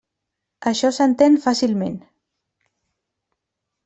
Això s'entén fàcilment.